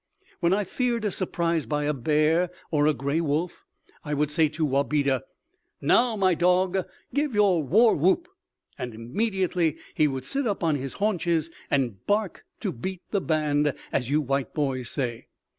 When I feared a surprise by a bear or a gray wolf, I would say to Wabeda: "Now, my dog, give your war whoop!" and immediately he would sit up on his haunches and bark "to beat the band," as you white boys say.